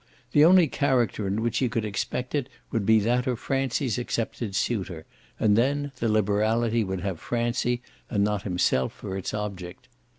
The only character in which he could expect it would be that of Francie's accepted suitor, and then the liberality would have Francie and not himself for its object.